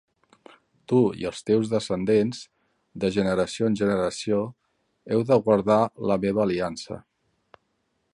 Tu i els teus descendents, de generació en generació, heu de guardar la meva aliança.